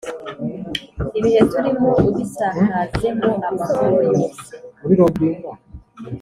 ibihe turimo ubisakazemo amahoro yose